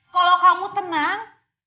kalau kamu tenang